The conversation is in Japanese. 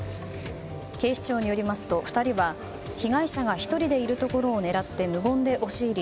警視庁によりますと２人は被害者が１人でいるところを狙って無言で押し入り